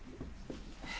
え？